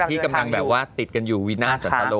ที่กำลังอยู่ที่กำลังติดกันอยู่วินาศัลโตร